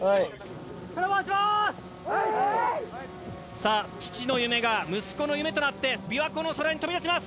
・さあ父の夢が息子の夢となって琵琶湖の空に飛び立ちます！